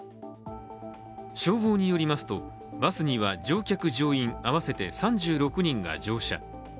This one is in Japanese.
消防によりますと、バスには乗客・乗員合わせて３６人が乗車。